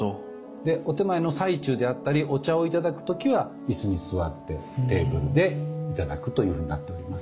でお点前の最中であったりお茶をいただく時は椅子に座ってテーブルでいただくというふうになっております。